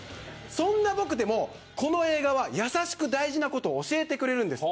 そんな僕でも、この映画は優しく大事なことを教えてくれるんです。